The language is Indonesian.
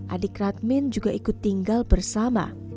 adik radmin juga ikut tinggal bersama